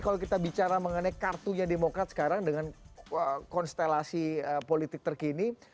kalau kita bicara mengenai kartunya demokrat sekarang dengan konstelasi politik terkini